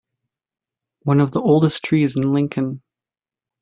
One of the oldest trees in Lincoln.